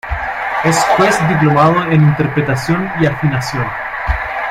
Es juez diplomado en Interpretación y Afinación.